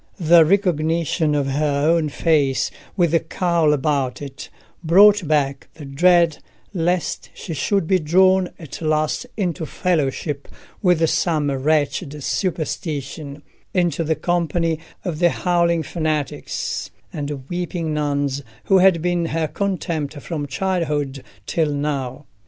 The recognition of her own face, with the cowl about it, brought back the dread lest she should be drawn at last into fellowship with some wretched superstition—into the company of the howling fanatics and weeping nuns who had been her contempt from childhood till now.